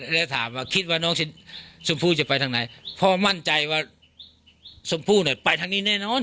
แล้วถามว่าคิดว่าน้องชมพู่จะไปทางไหนพ่อมั่นใจว่าชมพู่เนี่ยไปทางนี้แน่นอน